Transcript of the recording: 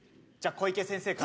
小池先生から？